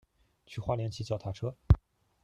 去花蓮騎腳踏車